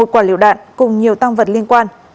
một quả liệu đạn cùng nhiều tăng vật liên quan